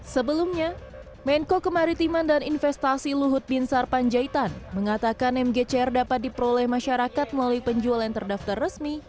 sebelumnya menko kemaritiman dan investasi luhut bin sarpanjaitan mengatakan mgcr dapat diperoleh masyarakat melalui penjualan terdaftar resmi